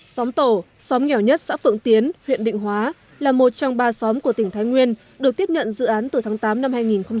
xóm tổ xóm nghèo nhất xã phượng tiến huyện định hóa là một trong ba xóm của tỉnh thái nguyên được tiếp nhận dự án từ tháng tám năm hai nghìn một mươi ba